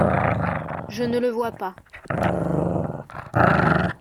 Je ne le vois pas.